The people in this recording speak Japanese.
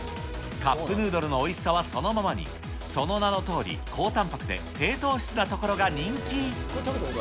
カップヌードルのおいしさはそのままに、その名のとおり、高たんぱくで低糖質なところが人気。